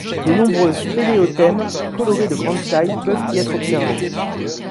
De nombreux spéléothèmes colorés de grande taille peuvent y être observés.